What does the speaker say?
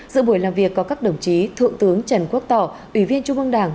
giữa buổi làm việc có các đồng chí thượng tướng trần quốc tỏ ủy viên trung ương đảng